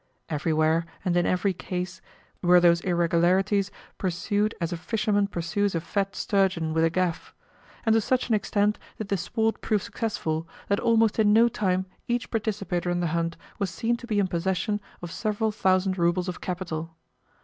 Everywhere, and in every case, were those irregularities pursued as a fisherman pursues a fat sturgeon with a gaff; and to such an extent did the sport prove successful that almost in no time each participator in the hunt was seen to be in possession of several thousand roubles of capital.